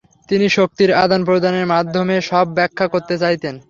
তিনি শক্তির আদান-প্রদাণের মাধ্যমে সব ব্যাখ্যা করতে চাইতেন।